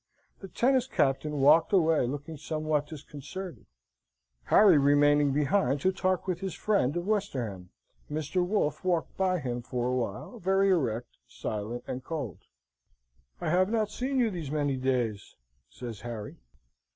The tennis Captain walked away looking somewhat disconcerted, Harry remaining behind to talk with his friend of Westerham. Mr. Wolfe walked by him for a while, very erect, silent, and cold. "I have not seen you these many days," says Harry.